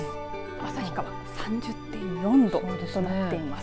旭川３０．４度となっています。